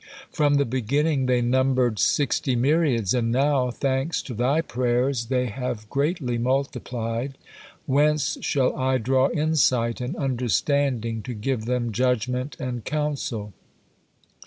From the beginning they numbered sixty myriads, and now, thanks to thy prayers, they have greatly multiplied. Whence shall I draw insight and understanding to give them judgement and counsel?